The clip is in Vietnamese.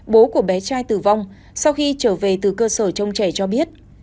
bố của bé trai tử vong sau khi trở về từ cơ sở trông trẻ cho biết